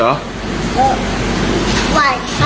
ไหวครับ